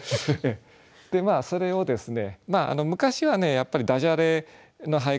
まあそれをですね昔はやっぱりダジャレの俳句